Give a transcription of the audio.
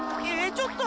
ちょっと！